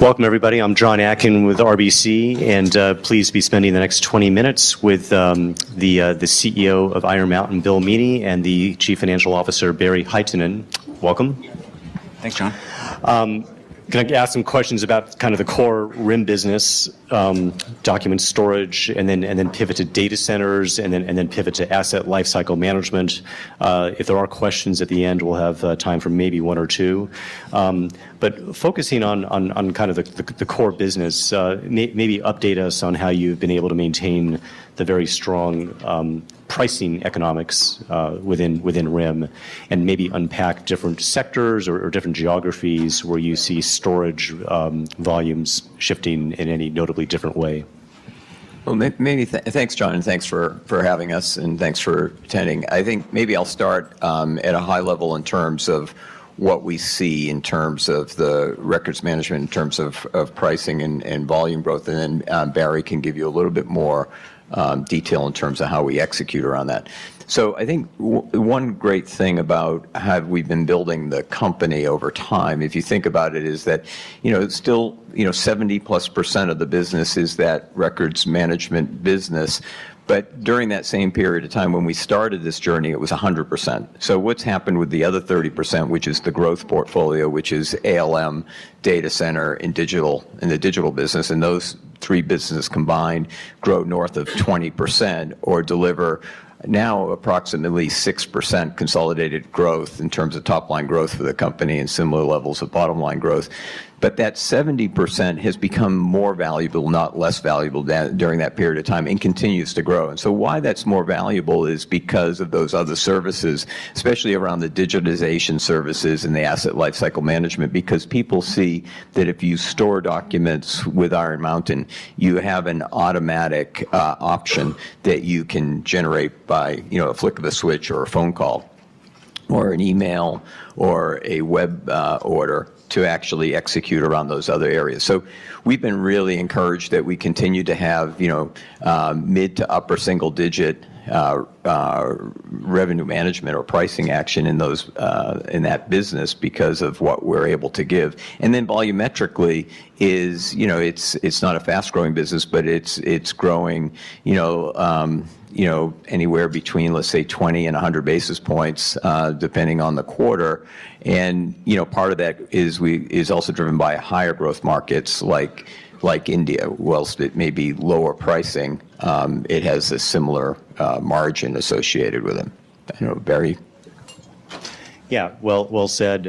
Welcome, everybody. I'm Jon Atkin with RBC, and please be spending the next 20 minutes with the CEO of Iron Mountain, Bill Meaney, and the Chief Financial Officer, Barry Hytinen. Welcome. Thanks, John. I'm going to ask some questions about kind of the core RIM business, document storage, and then pivot to Data Centers, and then pivot to Asset Lifecycle Management. If there are questions at the end, we'll have time for maybe one or two. Focusing on kind of the core business, maybe update us on how you've been able to maintain the very strong pricing economics within RIM, and maybe unpack different sectors or different geographies where you see storage volumes shifting in any notably different way. Thank you, John, and thanks for having us, and thanks for attending. I think maybe I'll start at a high level in terms of what we see in terms of the records management, in terms of pricing and volume growth, and then Barry can give you a little bit more detail in terms of how we execute around that. I think one great thing about how we've been building the company over time, if you think about it, is that still 70%+ of the business is that records management business. During that same period of time when we started this journey, it was 100%. What's happened with the other 30%, which is the growth portfolio, which is ALM, Data Centers, and the Digital business, and those three businesses combined drove north of 20% or deliver now approximately 6% consolidated growth in terms of top-line growth for the company and similar levels of bottom-line growth. That 70% has become more valuable, not less valuable, during that period of time and continues to grow. The reason that's more valuable is because of those other services, especially around the digitization transformation services and the Asset Lifecycle Management, because people see that if you store documents with Iron Mountain, you have an automatic option that you can generate by a flick of a switch or a phone call or an email or a web order to actually execute around those other areas. We've been really encouraged that we continue to have mid to upper single-digit revenue management or pricing action in that business because of what we're able to give. Volumetrically, you know it's not a fast-growing business, but it's growing anywhere between, let's say, 20 and 100 basis points depending on the quarter. Part of that is also driven by higher growth markets like India, whilst it may be lower pricing, it has a similar margin associated with them. Barry? Yeah, well said.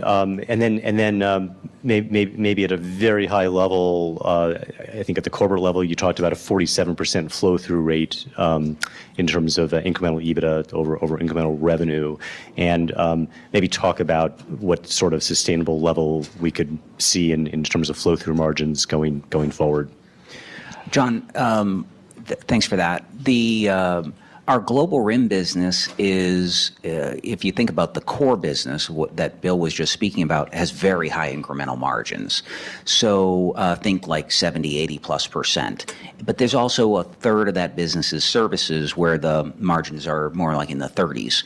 Maybe at a very high level, I think at the corporate level, you talked about a 47% flow-through rate in terms of incremental EBITDA over incremental revenue. Maybe talk about what sort of sustainable level we could see in terms of flow-through margins going forward. Jon, thanks for that. Our global RIM business is, if you think about the core business that Bill was just speaking about, has very high incremental margins. Think like 70%, 80%+. There's also a third of that business that is services where the margins are more like in the 30%.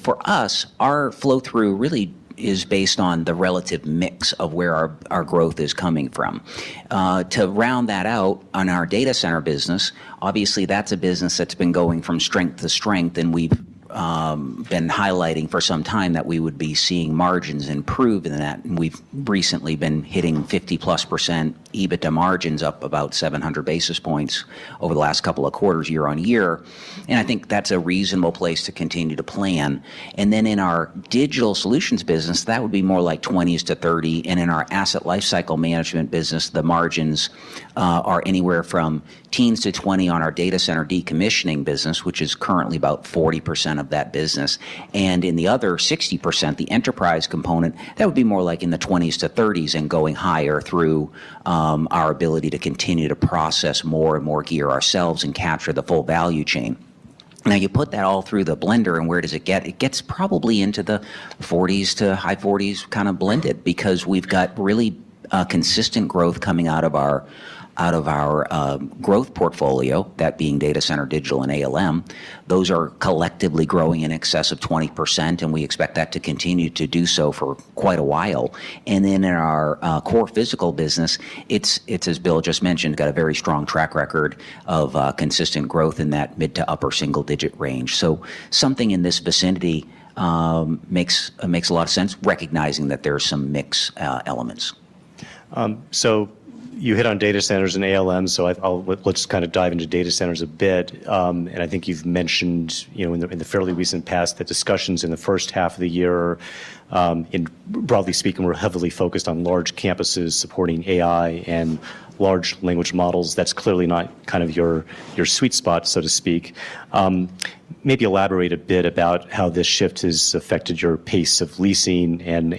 For us, our flow-through really is based on the relative mix of where our growth is coming from. To round that out, on our Data Centers business, obviously that's a business that's been going from strength to strength, and we've been highlighting for some time that we would be seeing margins improve in that. We've recently been hitting 50%+ EBITDA margins, up about 700 basis points over the last couple of quarters year-on-year. I think that's a reasonable place to continue to plan. In our Digital Solutions business, that would be more like 20%-30%. In our Asset Lifecycle Management business, the margins are anywhere from 13%-19% to 20% on our data center decommissioning business, which is currently about 40% of that business. In the other 60%, the enterprise component, that would be more like in the 20%-30% and going higher through our ability to continue to process more and more gear ourselves and capture the full value chain. Now you put that all through the blender, and where does it get? It gets probably into the 40%-49% kind of blended because we've got really consistent growth coming out of our growth portfolio, that being Data Centers, Digital Solutions, and Asset Lifecycle Management. Those are collectively growing in excess of 20%, and we expect that to continue to do so for quite a while. In our core physical business, it's, as Bill just mentioned, got a very strong track record of consistent growth in that mid to upper single-digit range. Something in this vicinity makes a lot of sense recognizing that there are some mix elements. You hit on data centers and ALM, so let's kind of dive into data centers a bit. I think you've mentioned in the fairly recent past that discussions in the first half of the year, broadly speaking, were heavily focused on large campuses supporting AI and large language models. That's clearly not kind of your sweet spot, so to speak. Maybe elaborate a bit about how this shift has affected your pace of leasing and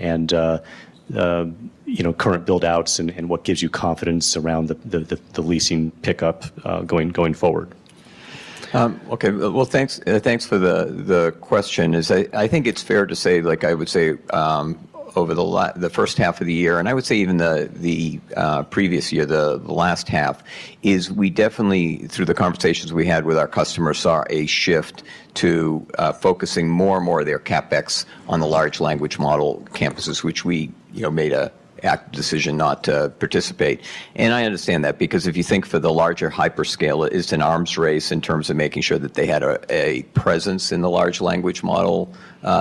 current build-outs and what gives you confidence around the leasing pickup going forward. Okay, thanks for the question. I think it's fair to say, like I would say, over the first half of the year, and I would say even the previous year, the last half, we definitely, through the conversations we had with our customers, saw a shift to focusing more and more of their CapEx on the large language model campuses, which we made an active decision not to participate. I understand that because if you think for the larger hyperscale, it's an arms race in terms of making sure that they had a presence in the large language model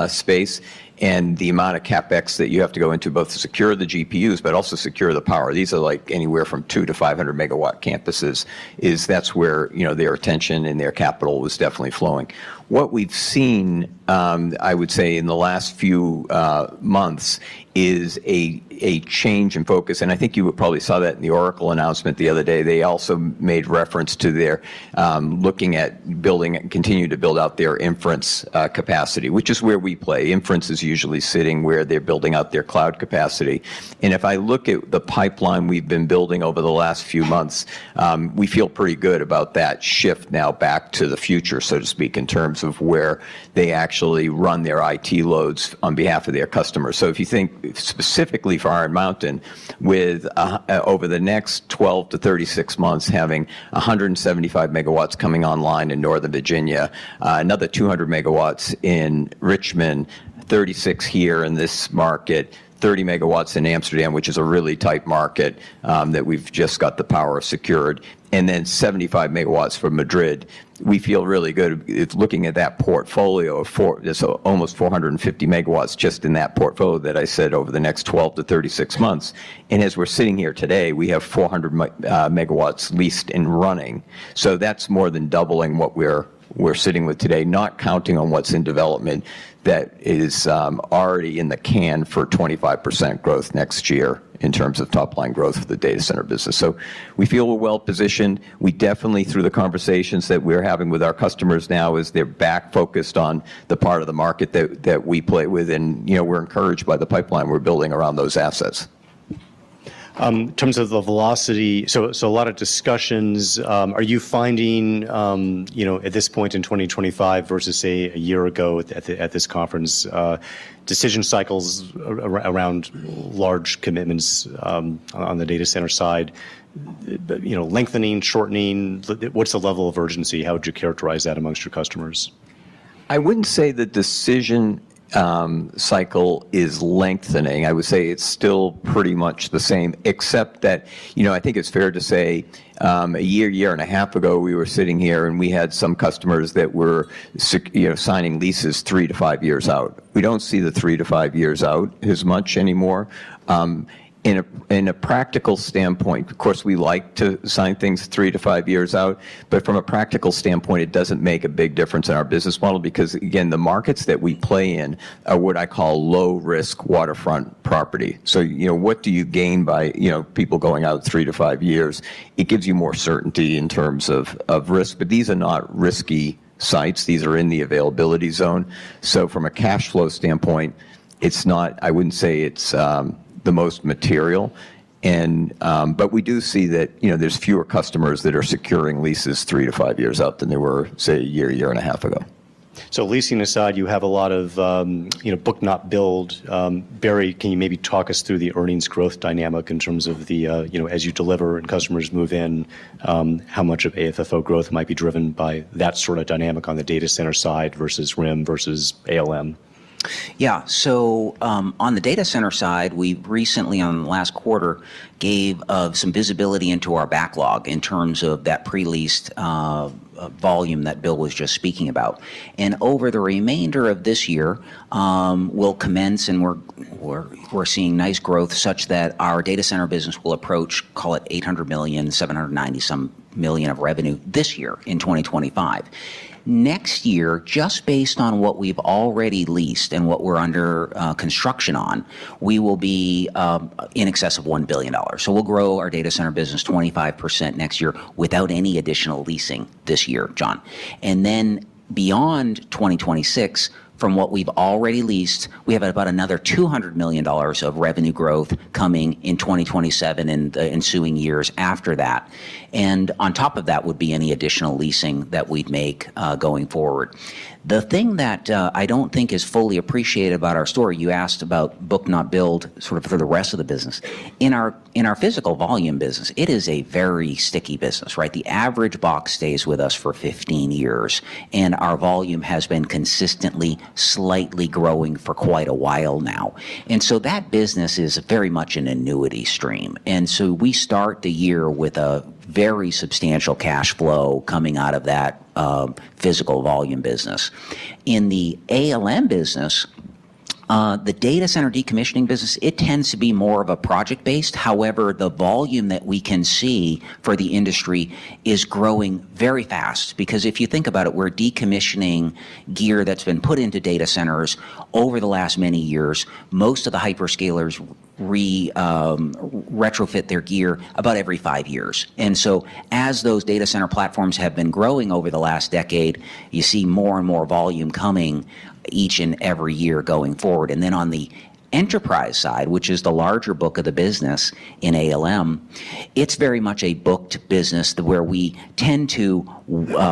space. The amount of CapEx that you have to go into both to secure the GPUs, but also secure the power, these are like anywhere from 200-500 MW campuses, that's where their attention and their capital was definitely flowing. What we've seen, I would say, in the last few months is a change in focus. I think you probably saw that in the Oracle announcement the other day. They also made reference to their looking at building and continuing to build out their inference capacity, which is where we play. Inference is usually sitting where they're building out their cloud capacity. If I look at the pipeline we've been building over the last few months, we feel pretty good about that shift now back to the future, so to speak, in terms of where they actually run their IT loads on behalf of their customers. If you think specifically for Iron Mountain, with over the next 12-36 months having 175 MW coming online in Northern Virginia, another 200 MW in Richmond, 36 MW here in this market, 30 MW in Amsterdam, which is a really tight market that we've just got the power secured, and then 75 MW for Madrid. We feel really good looking at that portfolio for almost 450 MW just in that portfolio that I said over the next 12-36 months. As we're sitting here today, we have 400 MW leased and running. That's more than doubling what we're sitting with today, not counting on what's in development that is already in the can for 25% growth next year in terms of top-line growth for the data center business. We feel we're well positioned. We definitely, through the conversations that we're having with our customers now, they're back focused on the part of the market that we play with. We're encouraged by the pipeline we're building around those assets. In terms of the velocity, a lot of discussions. Are you finding at this point in 2025 versus, say, a year ago at this conference, decision cycles around large commitments on the data center side lengthening or shortening? What's the level of urgency? How would you characterize that amongst your customers? I wouldn't say the decision cycle is lengthening. I would say it's still pretty much the same, except that I think it's fair to say a year, year and a half ago, we were sitting here and we had some customers that were signing leases three to five years out. We don't see the three to five years out as much anymore. From a practical standpoint, of course, we like to sign things three to five years out. From a practical standpoint, it doesn't make a big difference in our business model because, again, the markets that we play in are what I call low-risk waterfront property. What do you gain by people going out three to five years? It gives you more certainty in terms of risk. These are not risky sites. These are in the availability zone. From a cash flow standpoint, I wouldn't say it's the most material. We do see that there's fewer customers that are securing leases three to five years out than there were, say, a year, year and a half ago. Leasing aside, you have a lot of book not build. Barry, can you maybe talk us through the earnings growth dynamic in terms of as you deliver and customers move in, how much of AFFO growth might be driven by that sort of dynamic on the Data Center side versus RIM versus ALM? Yeah, on the data center side, we recently, in the last quarter, gave some visibility into our backlog in terms of that pre-leased volume that Bill was just speaking about. Over the remainder of this year, we'll commence and we're seeing nice growth such that our data center business will approach, call it $800 million, $790 some million of revenue this year in 2025. Next year, just based on what we've already leased and what we're under construction on, we will be in excess of $1 billion. We'll grow our data center business 25% next year without any additional leasing this year, Jon. Beyond 2026, from what we've already leased, we have about another $200 million of revenue growth coming in 2027 and the ensuing years after that. On top of that would be any additional leasing that we'd make going forward. The thing that I don't think is fully appreciated about our story, you asked about book not build sort of for the rest of the business. In our physical volume business, it is a very sticky business, right? The average box stays with us for 15 years, and our volume has been consistently slightly growing for quite a while now. That business is very much an annuity stream. We start the year with a very substantial cash flow coming out of that physical volume business. In the ALM business, the data center decommissioning business, it tends to be more of a project-based. However, the volume that we can see for the industry is growing very fast because if you think about it, we're decommissioning gear that's been put into data centers over the last many years. Most of the hyperscalers retrofit their gear about every five years. As those data center platforms have been growing over the last decade, you see more and more volume coming each and every year going forward. On the enterprise side, which is the larger book of the business in ALM, it's very much a booked business where we tend to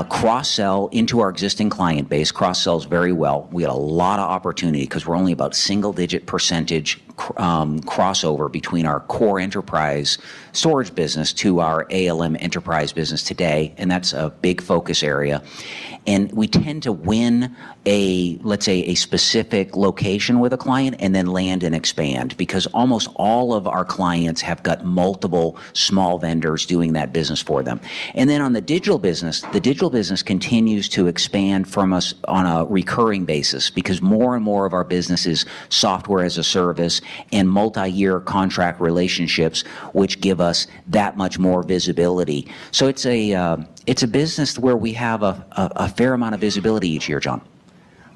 cross-sell into our existing client base, cross-sells very well. We had a lot of opportunity because we're only about single-digit percentage crossover between our core enterprise storage business to our ALM enterprise business today. That's a big focus area. We tend to win a, let's say, a specific location with a client and then land and expand because almost all of our clients have got multiple small vendors doing that business for them. On the digital business, the digital business continues to expand from us on a recurring basis because more and more of our business is software as a service and multi-year contract relationships, which give us that much more visibility. It's a business where we have a fair amount of visibility each year,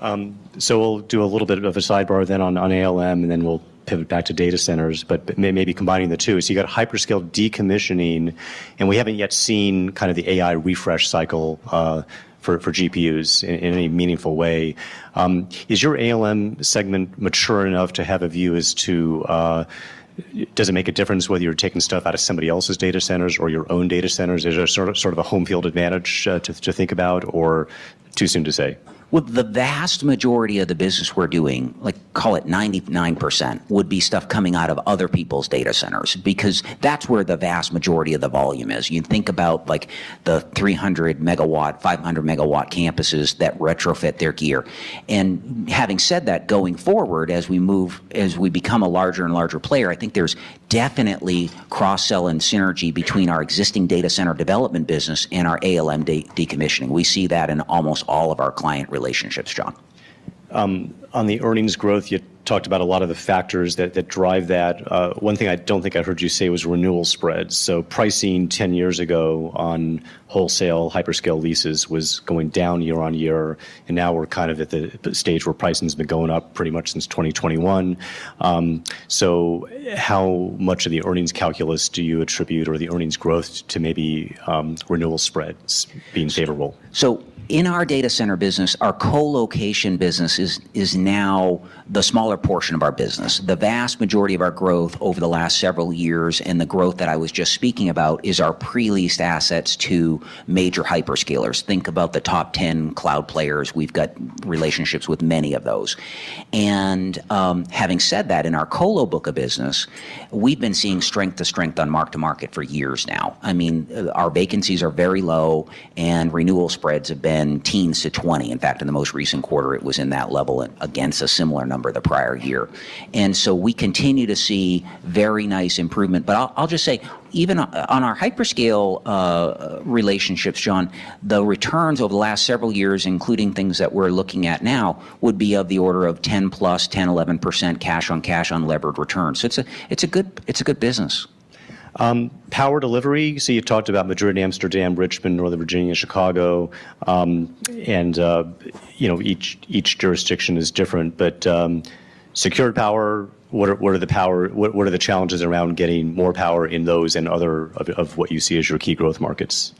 Jon. We'll do a little bit of a sidebar then on ALM, and then we'll pivot back to data centers, maybe combining the two. You got hyperscale decommissioning, and we haven't yet seen kind of the AI refresh cycle for GPUs in any meaningful way. Is your ALM segment mature enough to have a view as to does it make a difference whether you're taking stuff out of somebody else's data centers or your own data centers? Is there sort of a home field advantage to think about or too soon to say? The vast majority of the business we're doing, like call it 99%, would be stuff coming out of other people's data centers because that's where the vast majority of the volume is. You think about like the 300 MW, 500 MW campuses that retrofit their gear. Having said that, going forward as we move, as we become a larger and larger player, I think there's definitely cross-sell and synergy between our existing data center development business and our ALM decommissioning. We see that in almost all of our client relationships, John. On the earnings growth, you talked about a lot of the factors that drive that. One thing I don't think I heard you say was renewal spreads. Pricing 10 years ago on wholesale hyperscale leases was going down year on year, and now we're kind of at the stage where pricing has been going up pretty much since 2021. How much of the earnings calculus do you attribute or the earnings growth to maybe renewal spreads being favorable? In our Data Centers business, our co-location business is now the smaller portion of our business. The vast majority of our growth over the last several years and the growth that I was just speaking about is our pre-leased assets to major hyperscalers. Think about the top 10 cloud players. We've got relationships with many of those. Having said that, in our Co-lo book of business, we've been seeing strength to strength on mark-to-market for years now. I mean, our vacancies are very low, and renewal spreads have been 13%-19% to 20%. In fact, in the most recent quarter, it was in that level against a similar number the prior year. We continue to see very nice improvement. I'll just say, even on our hyperscale relationships, John, the returns over the last several years, including things that we're looking at now, would be of the order of 10%+, 10%, 11% cash on cash on levered returns. It's a good business. Power delivery, you've talked about Madrid, Amsterdam, Richmond, Northern Virginia, Chicago, and each jurisdiction is different. Secured power, what are the challenges around getting more power in those and other of what you see as your key growth markets?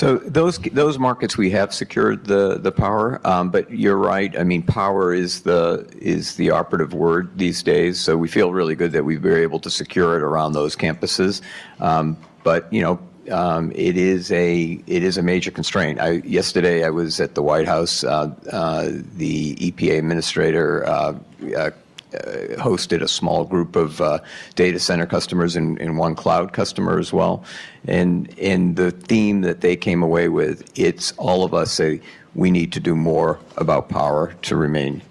Those markets, we have secured the power, but you're right. Power is the operative word these days. We feel really good that we were able to secure it around those campuses. It is a major constraint. Yesterday, I was at the White House. The EPA Administrator hosted a small group of data center customers and one cloud customer as well. The theme that they came away with, it's all of us say we need to do more about power to remain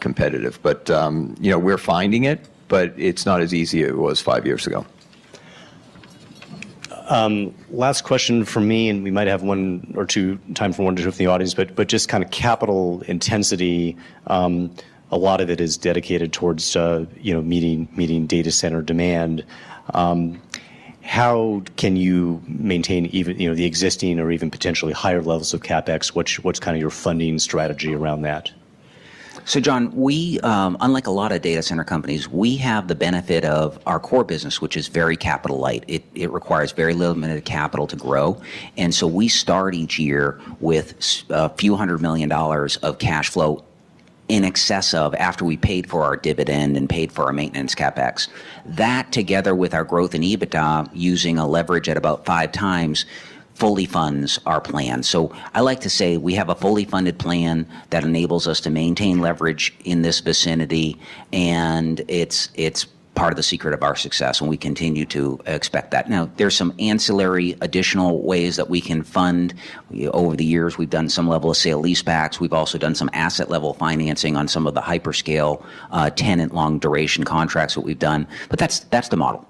competitive. We're finding it, but it's not as easy as it was five years ago. Last question from me, and we might have time for one or two from the audience, but just kind of capital intensity. A lot of it is dedicated towards meeting data center demand. How can you maintain even the existing or even potentially higher levels of CapEx? What's kind of your funding strategy around that? John, we, unlike a lot of data center companies, have the benefit of our core business, which is very capital-light. It requires very limited capital to grow. We start each year with a few hundred million dollars of cash flow in excess of after we paid for our dividend and paid for our maintenance CapEx. That, together with our growth in EBITDA, using a leverage at about five times, fully funds our plan. I like to say we have a fully funded plan that enables us to maintain leverage in this vicinity, and it's part of the secret of our success, and we continue to expect that. There are some ancillary additional ways that we can fund. Over the years, we've done some level of sale lease backs. We've also done some asset level financing on some of the hyperscale tenant long duration contracts that we've done. That's the model.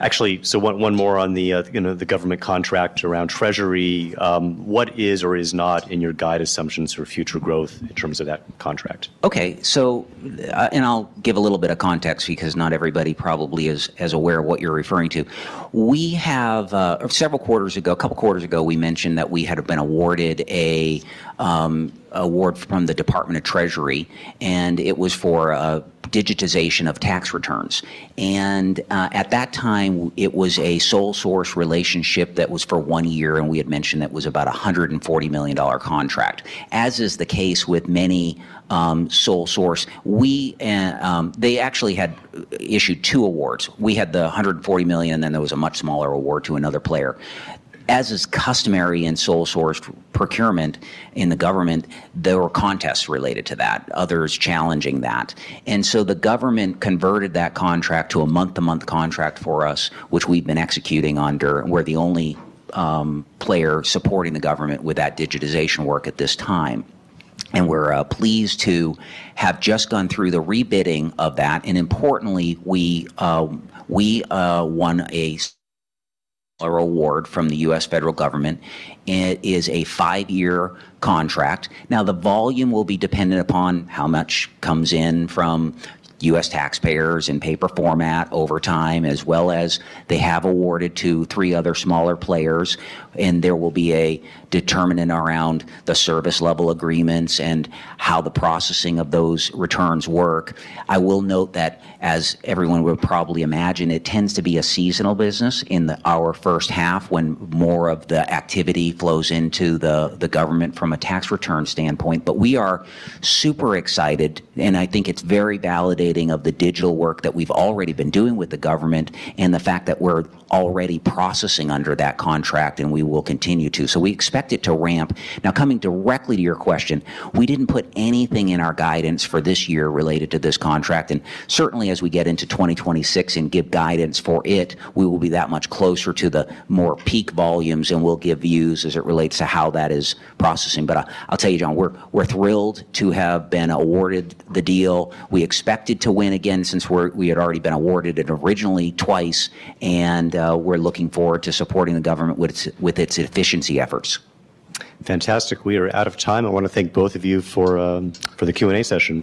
Actually, so one more on the government contract around Treasury. What is or is not in your guide assumptions for future growth in terms of that contract? Okay, so, I'll give a little bit of context because not everybody probably is aware of what you're referring to. We have, several quarters ago, a couple of quarters ago, we mentioned that we had been awarded an award from the Department of Treasury, and it was for digitization of tax returns. At that time, it was a sole source relationship that was for one year, and we had mentioned that it was about a $140 million contract. As is the case with many sole source, they actually had issued two awards. We had the $140 million, and then there was a much smaller award to another player. As is customary in sole source procurement in the government, there were contests related to that, others challenging that. The government converted that contract to a month-to-month contract for us, which we've been executing under. We're the only player supporting the government with that digitization work at this time. We're pleased to have just gone through the rebidding of that. Importantly, we won an award from the U.S. federal government. It is a five-year contract. The volume will be dependent upon how much comes in from U.S. taxpayers in paper format over time, as well as they have awarded to three other smaller players. There will be a determinant around the service level agreements and how the processing of those returns work. I will note that, as everyone would probably imagine, it tends to be a seasonal business in our first half when more of the activity flows into the government from a tax return standpoint. We are super excited, and I think it's very validating of the digital work that we've already been doing with the government and the fact that we're already processing under that contract, and we will continue to. We expect it to ramp. Now, coming directly to your question, we didn't put anything in our guidance for this year related to this contract. Certainly, as we get into 2026 and give guidance for it, we will be that much closer to the more peak volumes, and we'll give views as it relates to how that is processing. I'll tell you, Jon, we're thrilled to have been awarded the deal. We expected to win again since we had already been awarded it originally twice, and we're looking forward to supporting the government with its efficiency efforts. Fantastic. We are out of time. I want to thank both of you for the Q&A session.